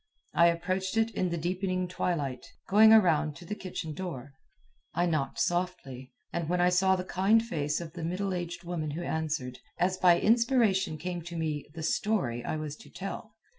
I approached it in the deepening twilight, going around to the kitchen door. I knocked softly, and when I saw the kind face of the middle aged woman who answered, as by inspiration came to me the "story" I was to tell.